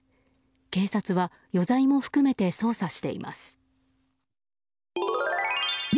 警察は余罪も含めて捜査しています。